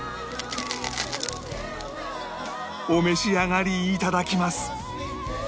お召し上がり頂きます